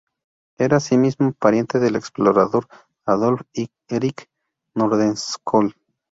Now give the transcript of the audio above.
Era asimismo pariente del explorador Adolf Erik Nordenskjöld.